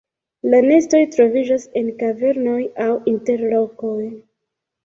La nestoj troviĝas en kavernoj aŭ inter rokoj.